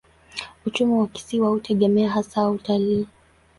Uchumi wa kisiwa hutegemea hasa utalii.